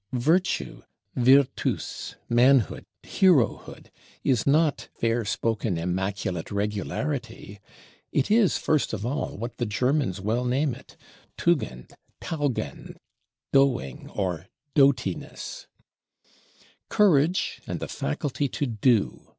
Virtue, Vir tus, manhood, _hero_hood, is not fair spoken immaculate regularity; it is first of all, what the Germans well name it, Tugend (Taugend, dow ing, or Dough tiness), Courage and the Faculty to do.